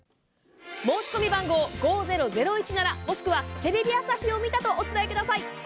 申込番号５００１７もしくは「テレビ朝日を見た」とお伝えください！